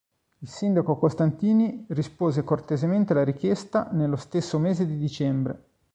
Il sindaco Costantini rispose cortesemente alla richiesta nello stesso mese di dicembre.